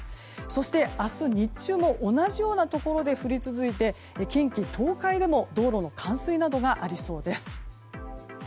そして明日の日中も同じようなところで降り続いて近畿・東海でも道路の冠水などがありそうです。